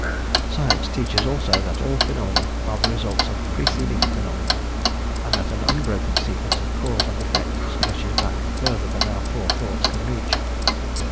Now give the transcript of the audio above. Science teaches, also, that all phenomena are the results of preceding phenomena, and that an unbroken sequence of cause and effect stretches back further than our poor thoughts can reach.